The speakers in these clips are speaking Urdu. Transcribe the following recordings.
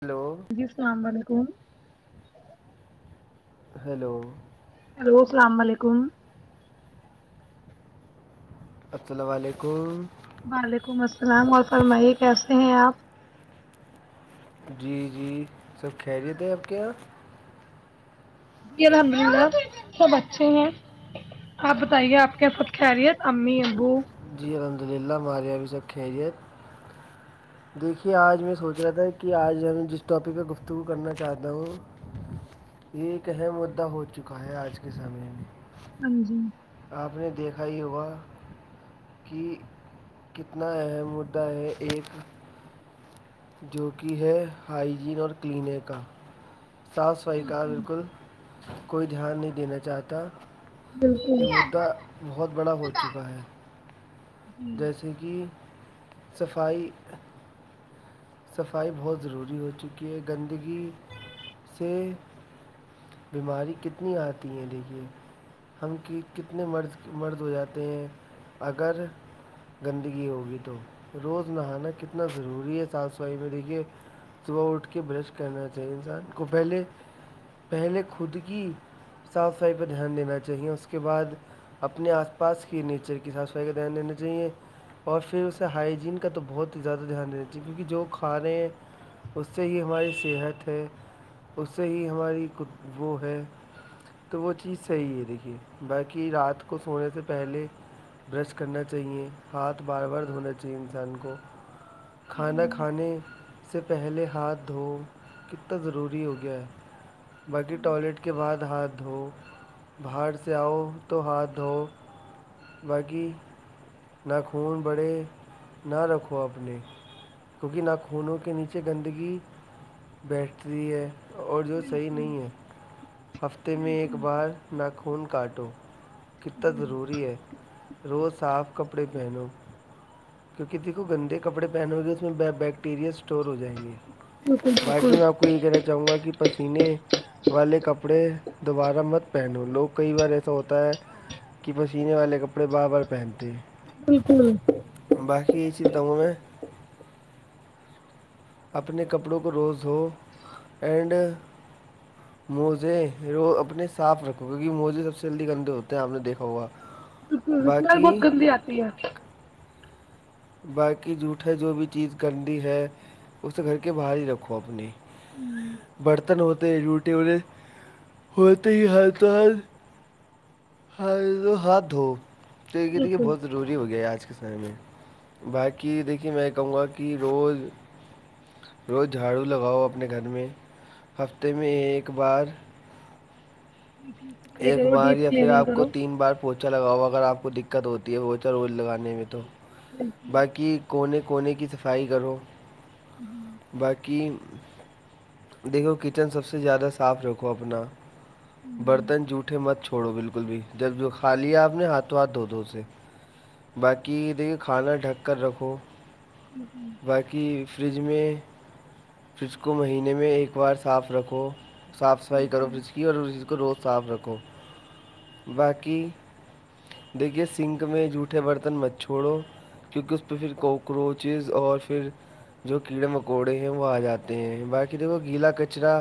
ہیلو جی السلام علیکم ہیلو ہیلو السلام علیکم السل علیکم وعلیکم السلام اور فرمائیے کیسے ہیں آپ جی جی سب خیریت ہے آپ کے یہاں سب اچھے ہیں آپ بتائیے آپ کے خود خیریت امی ابو جی الحمد للہ ہماریے یہاںبھی سب خیریت دیکھیے آج میں سوچ رہا تھا کہ آج ہم جس ٹاپک پہ گفتگو کرنا چاہتا ہوں یہ ایک اہم مدا ہو چکا ہے آج کے سمنے میں ہاں جی آپ نے دیکھا ہی ہوا کہ کتنا اہم مدعا ہے ایک جو کہ ہے ہائجین اور کلینیں کا صاف صفائی کا بالکل کوئی دھیان نہیں دینا چاہتا یہ مدعا بہت بڑا ہو چکا ہے جیسے کہ صفائی صفائی بہت ضروری ہو چکی ہے گندگی سے بیماری کتنی آتی ہیں دیکھیے ہم کی کتنے مرض مرض ہو جاتے ہیں اگر گندگی ہوگی تو روز نہانا کتنا ضروری ہے صاف صفائی میں ر کے صبح اٹھ کے برش کرنا چاہیے انسان کو پہلے پہلے خود کی صاف صفائی پرہ دھیان دینا چاہیے اس کے بعد اپنے آس پاس کی نیچر کی صاف صفائی کا دھیان دینا چاہیے اور پھر اسے ہائجین کا تو بہت ہی زیادہ دھیان دیتے کیونکہ جو کھان رہے ہیں اس سے ہی ہماری صحت ہے اس سے ہی ہماری وہ ہے تو وہ چیز صحیح ہے دیکھیے باقی رات کو سونے سے پہلے برش کرنا چاہیے ہاتھ بار بار دھونا چاہیے انسان کو کھانا کھانے سے پہلے ہاتھ دھوؤ کتنا ضروری ہو گیا ہے باقی ٹوائلٹ کے بعد ہاتھ دھو باہر سے آؤ تو ہاتھ دھوؤ باقی ناخوون بڑے نہ رکھو اپنے کیونکہ ناخونوں کے نیچے گندگی بیٹھتی ہے اور جو صحیح نہیں ہے ہفتے میں ایک بار ناخون کاٹو کتا ضروری ہے روز صاف کپڑے پہنو کیونکہ دھو گے کپڑے پوگس میں بیکٹیریا اسٹور ہو جائیں گے باقی میں آپ کو یہ کہنا چاہوں گا کہ پسینے والے کپڑے دوبارہ مت پہنو لوگ کئی بار ایسا ہوتا ہے کہ پسینے والے کپڑے بار بار پہنتے بالکل باقی یہ چی بتاوں میں اپنے کپڑوں کو روز دھو اینڈ موزے رو اپنے صاف رکھو کیونکہ موزے سب سے جلدی گندے ہوتے ہیں آپ نے دیکھا ہوگا تو اسمل بہت گندی آتی ہے باقی جھوٹ ہے جو بھی چیز گندی ہے اسے گھر کے باہر ہی رکھو اپنی برتن ہوتے روٹی والے ہوتے ہی ہر تو ہد ہاں تو ہاتھ دھو تو یہ دیکھیے بہت ضروری ہو گیا آج کے سمے میں باقی دیکھیے میں یہ کہوں گا کہ روز روز جھاڑو لگاؤ اپنے گھر میں ہفتے میں ایک بار ایک بار یا پھر آپ کو تین بار پوچا لگاؤا اگر آپ کو دقت ہوتی ہے پوچا ووچ لگانے میں تو جی باقی کونے کونے کی صفائی کرو باقی دیکھو کچن سب سے زیادہ صاف رکھو اپنا برتن جوٹے مت چھوڑ چھوڑو بالکل بھی جبد کا لیا آپ نے ہاتھوں ہاتھ دھ دو اسے باقی دیکھیے کھانا ڈھک کر رکھو باقی فریج میں فریج کو مہینے میں ایک بار صاف رکھو صاف صفائی کرو فریج کی اور فریز کو روز صاف رکھو باقی دیکھیے سنک میں جوٹے برتن م چھوڑو کیونکہ اس پہ پھر کوکروچز اور پھر جو کیڑے مکوڑے ہیں وہ آ جاتے ہیں باقی دیکھو گیلا کچرا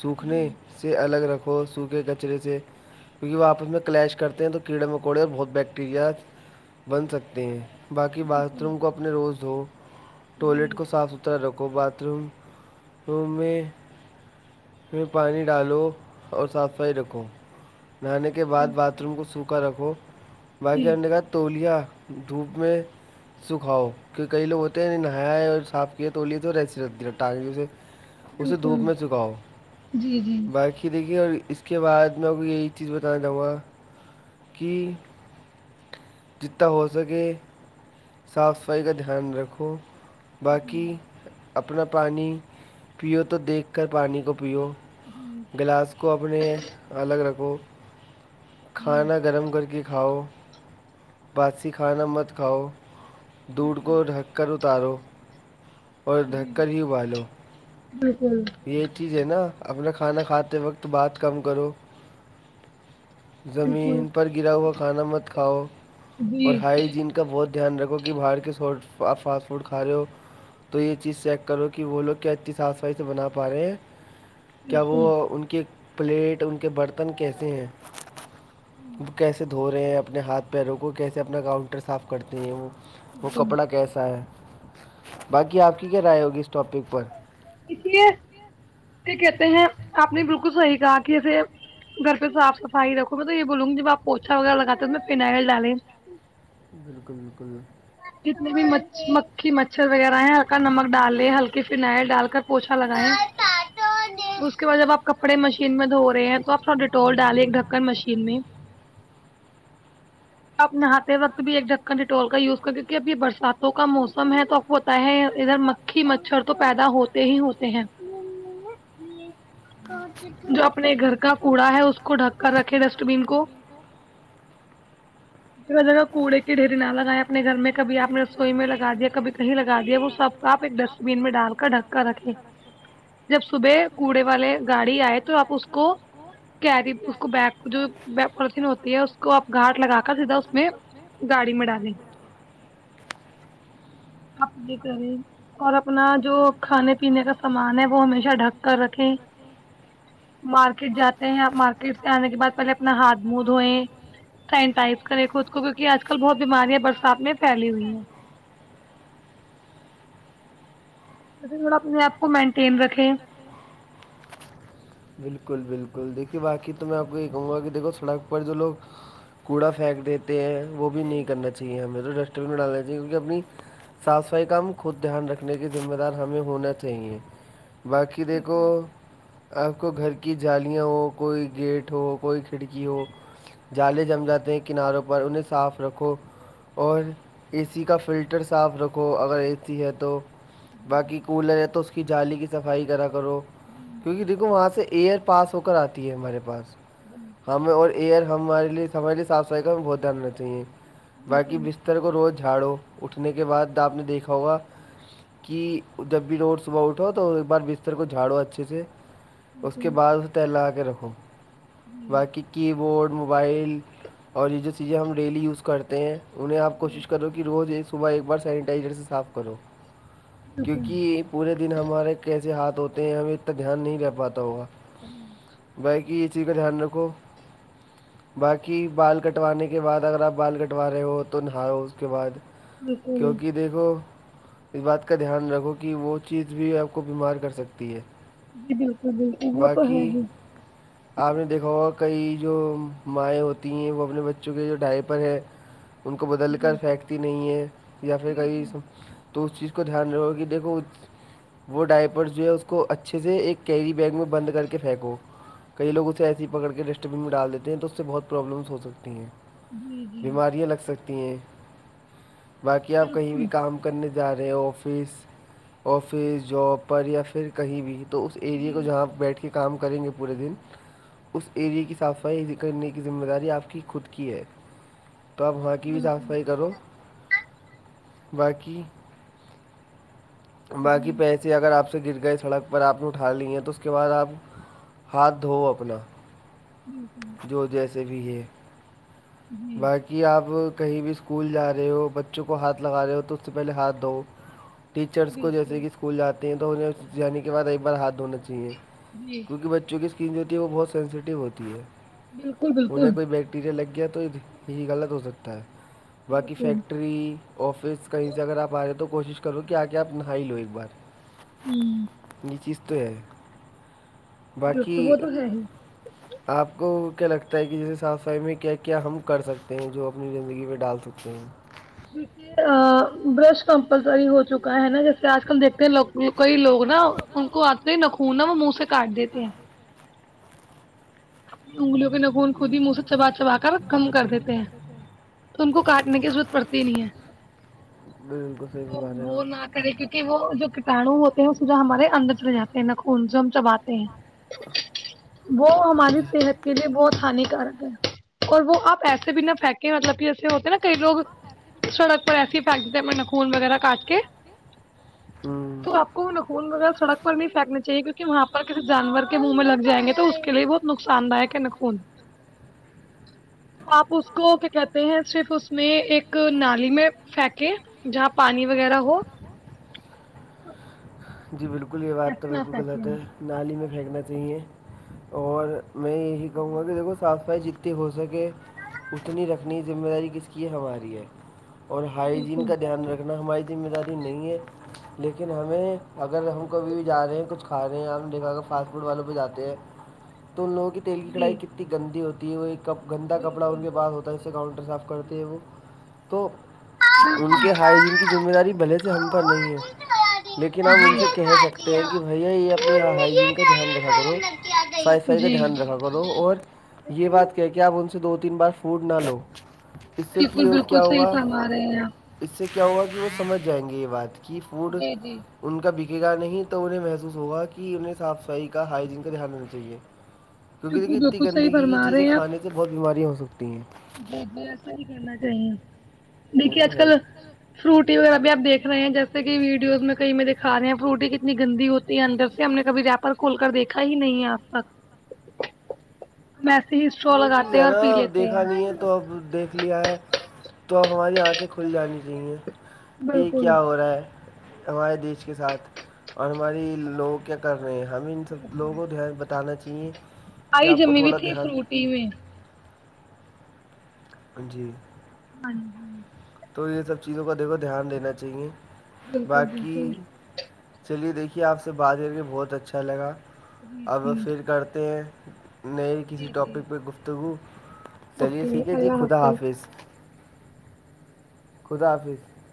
سوکھنے سے الگ رکھو سوکھے کچرے سے کیونکہ وہ آپس میں کلیش کرتے ہیں تو کیڑے مکوڑے اور بہت بیکٹیریا بن سکتے ہیں باقی باتھ روم کو اپنے روز دھو ٹوائلیٹ کو صاف ستھرا رکھو باتھ روم روم میں پانی ڈالو اور صاف صفائی رکھو نہانے کے بعد باتھ روم کو سوکھا رکھو باقی ان نے کاا تولیا دھوپ میں سکھاؤ کی کئی لوگ ہوتے ہیں نہایاائے اور صاف کیے تو لیے توے اسے دھوپ میں چکاؤ بائیک کھیلے گی اور اس کی اس کے بعد میں کو یہی چیز بتانا چاہوں گا کہ جتنا ہو سکے صاف صفائی کا دھیان رکھو باقی اپنا پانی پیو تو دیکھ کر پانی کو پیو گلاس کو اپنے الگ رکھو کھانا گرم کر کے کھاؤ باسی کھانا مت کھاؤ دودھ کو ڈھک کر اتارو اور دھک کر ہی ا بالو یہ چیز ہے نا اپنا کھانا کھاتے وقت بعات کم کرو زمین پر گرا ہوا کھانا مت کھاؤ اور ہائی جین کا بہت دھیان رکھو کہ باہر کے سٹ فاسٹ فوڈ کھارے ہو تو یہ چیز چیک کرو کہ وہ لوگ کیا اچھی صاف صفائی سے بنا پا رہے ہیں کیا وہ ان کے پلیٹ ان کے برتن ن کیسے ہیں وہ کیسے دھو رہے ہیں اپنے ہاتھ پیروں کو کیسے اپنا کاؤنٹر صاف کرتے ہیں وہ وہ کپڑا کیسا ہے باقی آپ کی کیا رائے ہوگی اس ٹاپک پر دے کیا کہتے ہیں آپ نے بالکل صحیح کہا کہ ایسے گھر پہ صف صفائی رکھو میں تو یہ بولوں گی ج آپ پوچا وغیرہ لگاتے ہیں تو میں پ فینائل ڈالیں بالکل بالکل جتنے بھی مکھی مچھر وغیرہ ہیں ہلکا نمک ڈال لے ہلکے پنئے ڈال کر پوچھا لگایا اس کے بعد جب آپ کپڑے مشین میں دھو رہے ہیں تو آپ تھوا ڈیٹول ڈالے ایک ڈھکن مشین میں آپ نہاتے وقت بھی ایک ڈھکن ڈیٹول کا یوز کر کیکہ اب یہ برساتوں کا موسم ہے تو اب ہوتا ہے ادھر مچھر تو پیدا ہوتے ہی ہوتے ہیں [inaudible] جو اپنے گھر کا کوڑا ہے اس کو ڈھک کر رکھے ڈسٹ بین کو جگ کوڑ ایکے ڈھیری نہ لگایا اپنے گھر میں کبھی آپ نے رسوئی میں لگا دیا کبھی کہیں لگا دیا وہ سب آپ ایک ڈسٹبین میں ڈال کر ڈھک کر رکھے [unintelligible] جب صبح کوڑے والے گاڑی آئے تو آپ اس کو کیری اس کو بیگ جو پلیتن ہوتی ہے اس کو آپ گھاٹ لگا کر سیدھا اس میں گاڑی میں ڈالیں [unintelligible] آپ د کریں اور اپنا جو کھانے پینے کا سامان ہے وہ ہمیشہ ڈھک کر رکھیں مارکیٹ جاتے ہیں آپ مارکیٹ سے آنے کے بعد پہلے اپنا ہاتھ منہ دھوئے سینٹائز کرے خود کو کیک آج کل بہت بیماریاں برسات میں پھیلی ہوئی ہیں اھر تھوڑا اپنے آپ کو مینٹین رکھیں بالکل بالکل دیکھیے باقی تو میں آپ کو یہ کہوں گا کہ دیکھو سڑک پر جو لوگ کوڑا پھینک دیتے ہیں وہ بھی نہیں کرنا چاہیے ہمیں تو ڈسٹ بین میں ڈالنا چاہیے کیونکہ اپنی صاف سفائی کا خود دھیان رکھنے کی ذم دار ہمیں ہونا چاہیے باقی دیکھو آپ کو گھر کی جالیاں ہو کوئی گیٹ ہو کوئی کھڑکی ہو جالے جم جاتے ہیں کناروں پر انہیں صاف رکھو اور اے سی کا فلٹر صاف رکھو اگر اے سی ہے تو باقی کولر ہے تو اس کی جالی کی صفائی کرا کرو کیونکہ دیکھ وہاں سے ایئر پاس ہو کر آتی ہے ہمارے پاس جی ہمیں اور ایئر ہمارے لیے ہمارے لیے صاف صفائی کا ہمیں بہت دھیان رنا چاہیے باقی ر کو روز جھاڑو اٹھنے کے بعد آپ نے دیکھا ہوگا کہ جب بھی روڈ صبح اٹھو تو ایک بار بستر کو جھاڑو اچھے سے اس کے بعد اسے تہلا کے رکھو باقی کی بورڈ موبائل اور یہ جو چیزیں ہم ڈیلی یوز کرتے ہیں انہیں آپ کوشش کرو کہ روز ایک صبح ایک بار سینیٹائزر سے صاف کرو کیونکہ پورے دن ہمارے کیسے ہاتھ ہوتے ہیں ہمیں اتنا دھیان نہیں رہ پاتا ہوگا ہوں بائیکی یہ چیز کا دھیان رکھو باقی بال کٹوانے کے بعد اگر آپ بال کٹوا رہے ہو تو نہاؤ اس کے بعد کیونکہ دیکھو اس بات کا دھیان رکھو کہ وہ چیز بھی آپ کو بیمار کر سکتی ہے جی بالکل بالکل وہ تو ہے ہی گ کئی جو مائیں ہوتی ہیں وہ اپنے بچوں کے جو ڈھائی پر ہیں ان کو بدل کر پھینیکتی نہیں ہے یا پھر کئی تو اس چیز کو دھیان رکھو کہ دیکھو وہ ڈائپر جو ہے اس کو اچھے سے ایک کیری بیگ میں بند کر کے پھینکو کئی لوگ اسے ایسی پکڑ کے ڈسٹبین میں ڈال دیتے ہیں تو اس سے بہت پروابلمس ہو سکتی ہیں بیماریاں لگ سکتی ہیں باقی آپ کہیں بھی کام کرنے د جا رہے آفس آفس جاب پر یا پھر کہیں بھی تو اس ایریے کو جہاں بیٹھ کے کام کریں گے پورے دن اس ایرے کی صافائی کرنے کی ذمہ داری آپ کی خود کی ہے تو آپ وہاں کی بھی صاف صفائی کرو باقی باقی پیسے اگر آپ سے گر گئے سڑک پر آپ اٹھا لی ہیں تو اس کے بعد آپ ہاتھ دھوؤ اپنا جو جیسے بھی ہے باقی آپ کہیں بھی اسکول جا رہے ہو بچوں کو ہاتھ لگا رہے ہو تو اس سے پہلے ہاتھ دھؤ ٹیچرس کو جیسے کہ اسکول جاتے ہیں تو انہیں یعنی کہ ب ایک بار ہاتھ دھونا چاہیے جی بچوں کی اسکن ہوتی ہے وہ بہت سینسیٹیو ہوتی ہے انہیں کوئی بیٹری مٹیریل لگ گیا تو ہی غلط ہو سکتا ہے باقی فیکٹری آفس کہیں سے اگر آپ آ رہے تو کوشش کرو کہ آ کے آپ نہائی لو ایک بار ہوں چیز تو ہے باقی آپ کو کیا لگتا ہے کہ جیسے صاف صفائی میں کیا کیا ہم کر سکتے ہیں جو اپنی زندگی میں ڈال سکتے ہیں دیکھیے ا برش کمپلسری ہو چکا ہے نا جیسے آج کل دیکھتے ہیں لو کئی لوگ نا ان کو آتے ہی نخون نا وہ منہ سے کاٹ دیتے ہیں اگ لوگ ن بھی م کے وا سوا کر رکھ میں کر د تھ تو ان کو کاٹنے کی ضرورت پڑتی ہی نہیں ہے د کس کے بارے میں وہ نہ کرے کیونکہ وہ جو کیٹاڑو ہوتے ہیں س جوا ہمارے اندر چل جے ہیں نا خون جو ہم چباتے ہیں وہ ہم ہماری صحت کے لیے بہت ہانیکارک ہے اور وہ آپ ایسے بھی نہ پھیکے مطلب کہ ہوتے نا کئی لوگ سڑک پر ایسے ہی پھینک دیتے ہیں اپ نخون وغیرہ کاٹ کے ہوں نون وغیرہ سڑک پر نہیں پھیننا چاہیے کی کہ وہاں پر کسی جانور کے منہ میں لگ جائیں گے تو اس کے لیے وہ نقصان داک ہے نخون تو آپ اس کو کیا کہتے ہیں صرف اس میں ایک نالی میں پھینکے جہاں پانی وغیرہ ہو جی بالکل یہ بات تو بالکل غلط ہے نالی میں پھینکنا چاہیے اور میں ٹھ کہ گا کہ دھو صاف صفائی جتنی ہو سکے اتنی رکھنی ذمہ داری کس کی ہماری ہے اور ہائجین کا دھیان رکھنا ہماری ذمہ داری نہیں ہے لیکن ہمیں اگر ہم کبھی بھی جا رہے ہیں کچھ کھا رہے ہیں ہم دیکھا فاسٹ فوڈ والوں پہاتے ہیں تو ان لوگوں کی تیل کی کڑھائی کتنی گندی ہوتی ہے وہ گندا کپڑا ان کے پاس ہوتا طرح سے کاؤنٹر صاف کرتی ہے وہ تو ان کے ہائی جین کی ذمہ داری بھلے سے ہم پر نہیں ہے گے لیکن ہم ان سے کہہ سکتے ہیں کہ بھیا یہ اپنی ہائجین کا دھیان رکھا کرو صائی صفائی کا دھیان رکھا کرو و اور یہ بات کیایں کہ آپ ان سے دو تین بار فوڈ نہ لو اس سے کہ وہ کیا ہوگا اس سے کیا ہوا کہ وہ سمجھ جائیں گے یہ بات کہ فوڈ ان کا بکے گا نہیں تو انہیں محسوس ہوگا کہ انہیں صاف صفائی کا ہائجین کا دھیان رکھنا چاہیے کیونکہ دیکھیے اتنی گندگی کی چیزیں کھانے سے بہت بیماریا ہو سکتی ہیں جی جی ایسا ہی کہنا چاہیے دیکھیے آج کل فروٹی وغیرہ بھی آ دیکھے ہیں جیسے کہ ویڈیوز میں کئی میں دکھاے ہیں فروٹی کتنی گندی ہوتی اندر سے ہم نے کبھی راپر کھول کر دیکا ہی نہیں ہے آج تک [unintelligible] ویسے ہی وہی چیز ہے نا دیکھا نہیں ہے تو تو اب دیکھ لیا ہے توب ہماری آنکھیں کھل جانی چاہییں یہ کیا ہو رہا ہے ہمارے دیش کے ساتھ اور ہماری لوگوں کیا کر رہے ہیں ہم ان سب لوگوں کو دھیان بتانا چاہیے آئی جمی بھی تھی فروٹ ہی میں جی ہاں تو یہ سب چیزوں کا دیکھو دھیان دینا چاہیے باقی چلیے دیکھیے آپ سے بات کر کے بہت اچھا لگا اب پھر کرتے ہیں نئے کسی ٹاپک پہ گفتگو چلیے ٹھیک ہے جی خدا حافظ کد بھی